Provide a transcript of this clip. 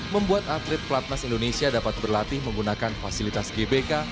membuat atlet pelatnas indonesia dapat berlatih menggunakan fasilitas gbk